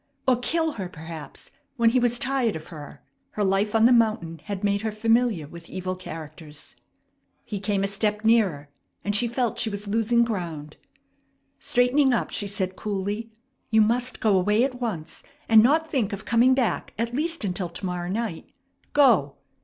Or kill her, perhaps, when he was tired of her! Her life on the mountain had made her familiar with evil characters. He came a step nearer, and she felt she was losing ground. Straightening up, she said coolly: "You must go away at once, and not think of coming back at least until to morrow night. Go!"